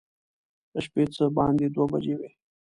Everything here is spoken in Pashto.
د شپې څه باندې دوه بجې وې.